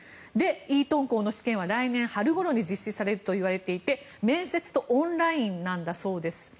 イートン校の試験は来年春ごろに実施されるといわれていて面接とオンラインなんだそうです。